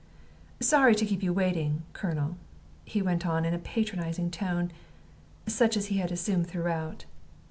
"Sorry to keep you waiting, Colonel," he went on, in a patronizing tone, such as he had assumed throughout.